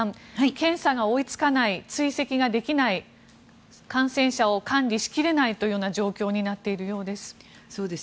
検査が追い付かない追跡ができない感染者を管理しきれないという状況になっているようです。